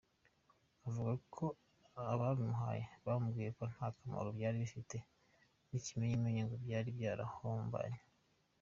Avuga ko ababimuhaye bamubwiye ko nta kamaro byari bigifite, n’ikimenyimenyi ngo byari byarahombanye.